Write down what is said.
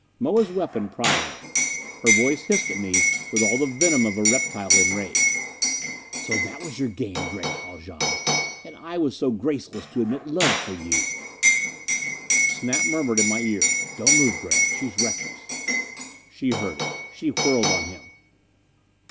Moa's weapon prodded me. Her voice hissed at me with all the venom of a reptile enraged. "So that was your game, Gregg Haljan! And I was so graceless to admit love for you!" Snap murmured in my ear, "Don't move, Gregg! She's reckless." She heard it. She whirled on him.